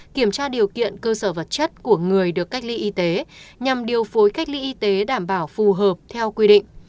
kiểm tra điều kiện cơ sở vật chất của người được cách ly y tế nhằm điều phối cách ly y tế đảm bảo phù hợp theo quy định